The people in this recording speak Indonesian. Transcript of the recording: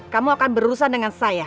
kamu akan berurusan dengan saya